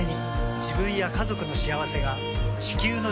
自分や家族の幸せが地球の幸せにつながっている。